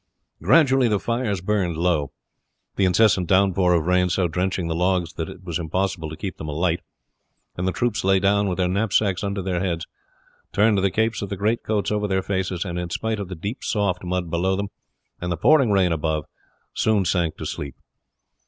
Gradually the fires burned low the incessant downpour of rain so drenching the logs that it was impossible to keep them alight and the troops lay down, with their knapsacks under their heads, turned the capes of the greatcoats over their faces, and in spite of the deep soft mud below them, and the pouring rain above, soon sank to sleep.